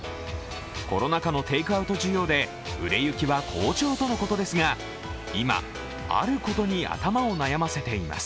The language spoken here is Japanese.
コロナ禍のテイクアウト需要で売り上げは好調ということですが今、あることに頭を悩ませています